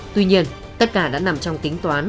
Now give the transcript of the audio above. tuy nhiên tất cả đã nằm trong tính toán